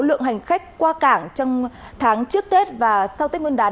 lượng hành khách qua cảng trong tháng trước tết và sau tết nguyên đán